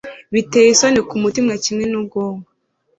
Biteye isoni kumutima kimwe nubwonko